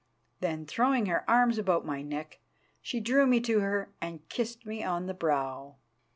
Then, throwing her arms about my neck, she drew me to her and kissed me on the brow.